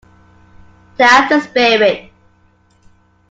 That's the spirit!.